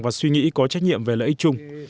và suy nghĩ có trách nhiệm về lợi ích chung